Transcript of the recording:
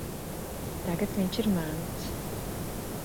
Tagad viņš ir mans.